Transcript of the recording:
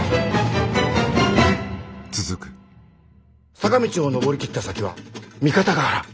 坂道を上り切った先は三方ヶ原。